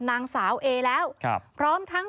นางสาวเอแล้วพร้อมทั้ง